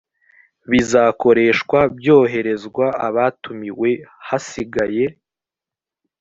bizakoreshwa byohererezwa abatumiwe hasigaye